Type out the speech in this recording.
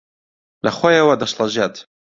لەخۆیەوە دەشڵەژێت